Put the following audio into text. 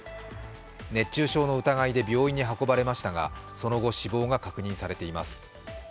熱中症の疑いで病院に運ばれましたが、その後死亡が確認されています。